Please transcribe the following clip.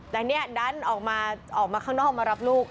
แล้วนี่ดันออกมาข้างนอกมารับลูก